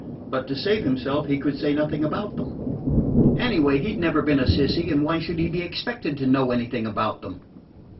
But, to save himself, he could say nothing about them. Anyway, he 'd never been a "sissy," and why should he be expected to know anything about them?